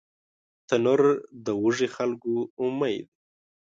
تنور د وږي خلکو امید دی